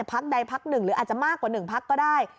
พักใดพักหนึ่งหรืออาจจะมากกว่า๑พักก็ได้